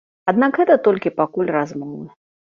Аднак гэта толькі пакуль размовы.